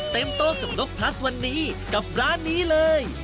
โต๊กับนกพลัสวันนี้กับร้านนี้เลย